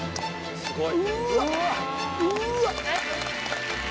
すごい！